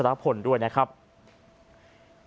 ประธานเจ้าหน้าที่บริหารธุรกิจ